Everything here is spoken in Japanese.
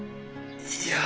いや。